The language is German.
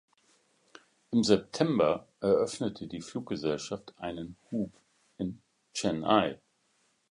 Im September eröffnete die Fluggesellschaft einen Hub in Chennai.